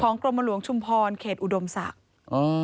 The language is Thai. กรมหลวงชุมพรเขตอุดมศักดิ์